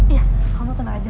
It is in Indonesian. iya kamu tenang aja